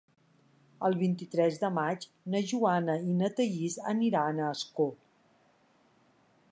El vint-i-tres de maig na Joana i na Thaís aniran a Ascó.